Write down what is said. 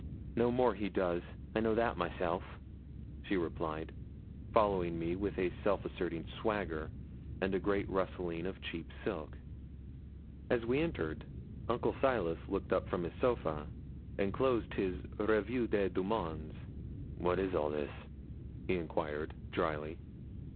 'No more he does I know that myself,' she replied, following me with a self asserting swagger, and a great rustling of cheap silk. As we entered, Uncle Silas looked up from his sofa, and closed his Revue des Deux Mondes. 'What is all this?' he enquired, drily.